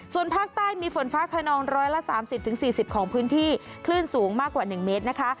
ส่วนภาคใต้มีฝนฟ้าขนอง๑๓๐๔๐ของพื้นที่คลื่นสูงมากกว่า๑เมตรนะคะ